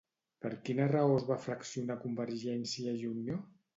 Per quina raó es va fraccionar Convergiència i Unió?